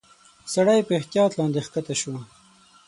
سړی په احتياط لاندي کښته شو.